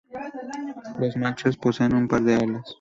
Los machos poseen un par de alas.